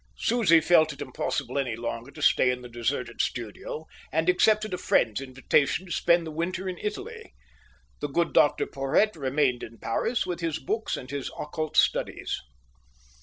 Susie felt it impossible any longer to stay in the deserted studio, and accepted a friend's invitation to spend the winter in Italy. The good Dr Porhoët remained in Paris with his books and his occult studies.